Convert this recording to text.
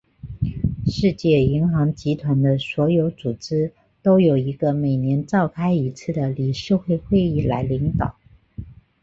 世界银行集团的所有组织都由一个每年召开一次的理事会会议来领导。